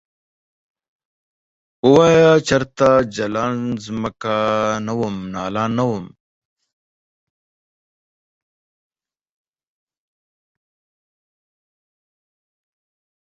ووایه چرته جلان ځمکه نه وم نال نه وم ؟